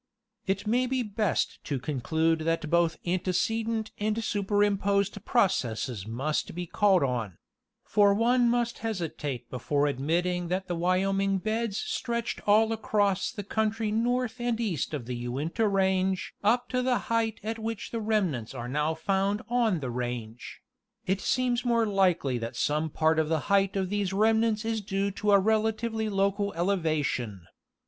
It may be best to conclude that both ante cedent and superimposed processes must be called on: for one must hesitate before admitting that the Wyoming beds stretched all across the country north and east of the Uinta range up to the height at which the remnants are now found on the range ;* Fortieth Parallel Survey, ii, 1877, 194, 205, 206. Lewers of Northern New Jersey. = 0B it seems more likely that some part of the height of these rem nants is due to a relatively local elevation.